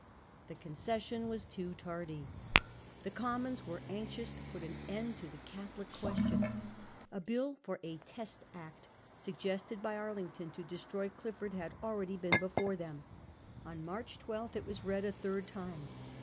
The concession was too tardy. The Commons were anxious to put an end to the Catholic Question. A bill for a Test Act, suggested by Arlington to destroy Clif ford, had already been before them. On March 12 it was read a third time.